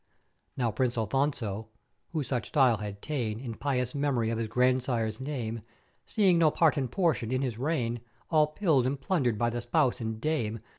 "Now Prince Afonso (who such style had tane in pious mem'ory of his Grandsire's name), seeing no part and portion in his reign all pilled and plundered by the Spouse and Dame.